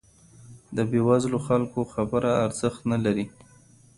د بې وزلو خلګو خبره ارزښت نه لري.